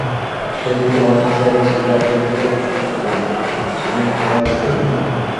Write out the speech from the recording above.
সে দিন তােমার কাছে এক চিঠি রাখিতে দিলাম, তুমি হারাইয়া ফেলিলে!